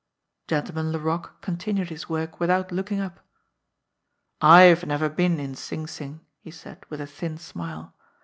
Gentleman Laroque continued his work without looking up. "I've never been in Sing Sing," he said, with a thin smile.